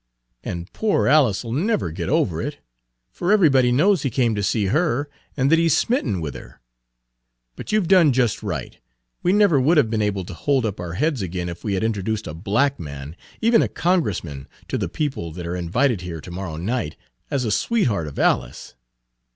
And poor Alice 'll never get over it, for everybody knows he came to see her and that he's smitten with her. But you 've done just right; we never would have been able to hold up our heads again if we had introduced a black man, even a Congressman, to the people that are invited here to morrow night, as a sweetheart of Alice.